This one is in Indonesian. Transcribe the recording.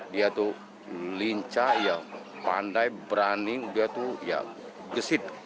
dia tuh lincah ya pandai berani dia tuh ya gesit